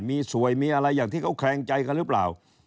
มีสวยมีอะไรอย่างที่เขาแขลงใจกันหรือเปล่า